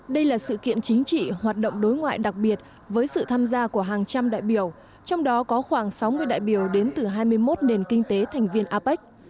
đây là sự kiện chính trị hoạt động đối ngoại đặc biệt với sự tham gia của hàng trăm đại biểu trong đó có khoảng sáu mươi đại biểu đến từ hai mươi một nền kinh tế thành viên apec